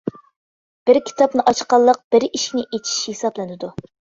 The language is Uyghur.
بىر كىتابنى ئاچقانلىق بىر ئىشىكنى ئېچىش ھېسابلىنىدۇ.